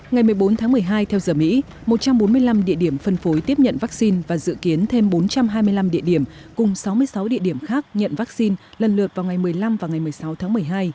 ngày một mươi bốn tháng một mươi hai theo giờ mỹ một trăm bốn mươi năm địa điểm phân phối tiếp nhận vaccine và dự kiến thêm bốn trăm hai mươi năm địa điểm cùng sáu mươi sáu địa điểm khác nhận vaccine lần lượt vào ngày một mươi năm và ngày một mươi sáu tháng một mươi hai